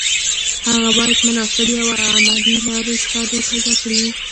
هغه باید مناسبې او عملي لارې چارې پیدا کړي